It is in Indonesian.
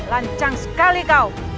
lancang sekali kau